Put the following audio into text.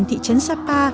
thị trấn sapa